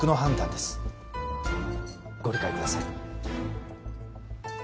ご理解ください。